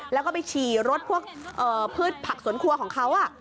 แล้วก็ไปฉี่รถพวกพืชผักสวนครัวของเขา